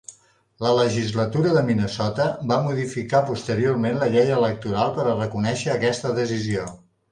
La Legislatura de Minnesota va modificar posteriorment la llei electoral per a reconèixer aquesta decisió.